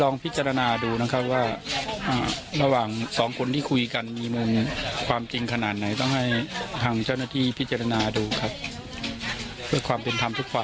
นำหลักฐานต่างไปยื่น